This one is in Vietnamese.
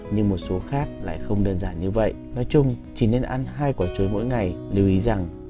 nhưng một số khác lại không đơn giản như vậy nói chung chỉ nên ăn hai quả chuối mỗi ngày lưu ý rằng